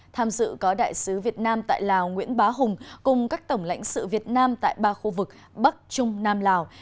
tham dự có đại sứ việt nam tại lào nguyễn bá hùng cùng các tổng lãnh sự việt nam tại ba khu vực bắc trung nam lào